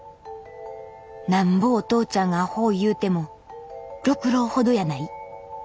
なんぼお父ちゃんがアホいうても六郎ほどやない。